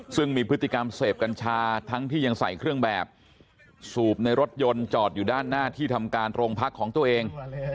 ซึ่งมีพฤติกรรมเสพกัญชาทั้งที่ยังใส่เครื่องแบบสูบในรถยนต์จอดอยู่ด้านหน้าที่ทำการโรงพักของตัวเอง